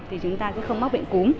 thì chúng ta sẽ không mắc bệnh cúm